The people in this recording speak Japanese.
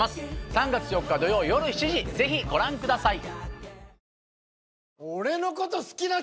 ３月４日土曜夜７時是非ご覧ください。